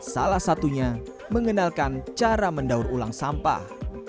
salah satunya mengenalkan cara mendaur ulang sampah